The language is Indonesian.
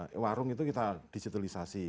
di warung itu kita digitalisasi